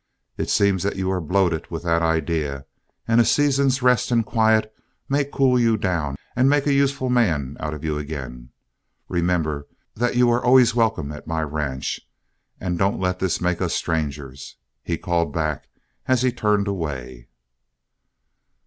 It seems that you are bloated with that idea, and a season's rest and quiet may cool you down and make a useful man of you again. Remember that you're always welcome at my ranch, and don't let this make us strangers," he called back as he turned away.